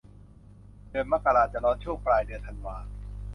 เดือนมกราจะร้อนช่วงปลายเดือนธันวา